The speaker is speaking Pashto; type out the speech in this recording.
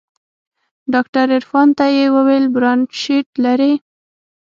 ډاکتر عرفان ته يې وويل برانشيت لري.